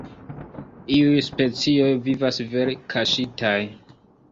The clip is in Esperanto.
Iuj specioj vivas vere kaŝitaj.